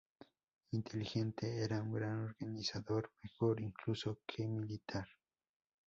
Inteligente, era un gran organizador, mejor incluso que militar.